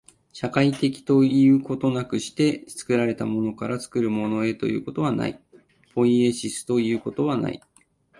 社会的ということなくして、作られたものから作るものへということはない、ポイエシスということはない。